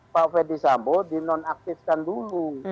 pak verdi sambo di nonaktifkan dulu